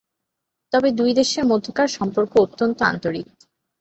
তবে দুই দেশের মধ্যকার সম্পর্ক অত্যন্ত আন্তরিক।